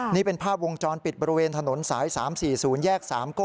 นี่เป็นภาพวงจรปิดบริเวณถนนสาย๓๔๐แยก๓โก้